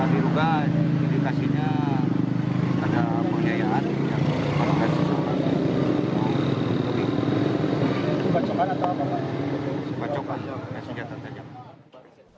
diduga indikasinya ada penganayaan yang menggunakan senjata tajam